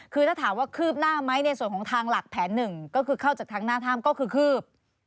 คือถ้าถามว่าคืบหน้าไหมในส่วนของทางหลักแผนหนึ่งก็คือเข้าจากทางหน้าถ้ำก็คือคืบ